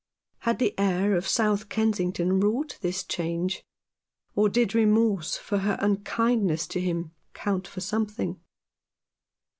Had the air of South Kensington wrought this change, or did remorse for her unkindness to him count for something